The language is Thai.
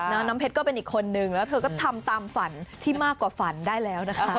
น้ำเพชรก็เป็นอีกคนนึงแล้วเธอก็ทำตามฝันที่มากกว่าฝันได้แล้วนะคะ